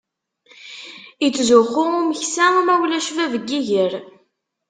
Ittzuxxu umeksa ma ulac bab n yiger.